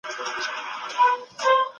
که لوبه وکړو نو سستي نه راځي.